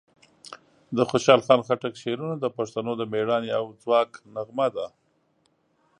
د خوشحال خان خټک شعرونه د پښتنو د مېړانې او ځواک نغمه ده.